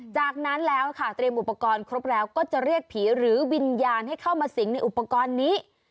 จากนั้นแล้วค่ะเตรียมอุปกรณ์ครบแล้วก็จะเรียกผีหรือวิญญาณให้เข้ามาสิงในอุปกรณ์นี้